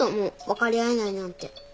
分かり合えないなんて。